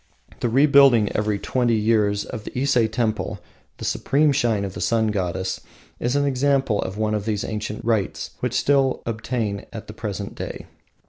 The rebuilding, every twenty years, of Ise Temple, the supreme shrine of the Sun Goddess, is an example of one of these ancient rites which still obtain at the present day.